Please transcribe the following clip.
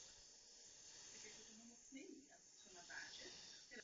Americká plavidla tak byla v dané oblasti ve vysoké bojové pohotovosti.